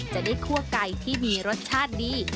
จะได้คั่วไก่ที่มีรสชาติดี